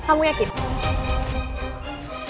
oke kalau gitu aku mau nanya sama anding